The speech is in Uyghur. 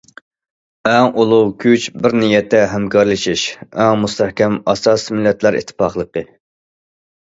ئەڭ ئۇلۇغ كۈچ بىر نىيەتتە ھەمكارلىشىش، ئەڭ مۇستەھكەم ئاساس مىللەتلەر ئىتتىپاقلىقى.